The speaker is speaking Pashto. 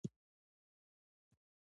د پښتورګو د عفونت لپاره د څه شي اوبه وڅښم؟